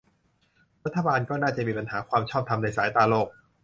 รัฐบาลก็น่าจะมีปัญหาความชอบธรรมในสายตาโลก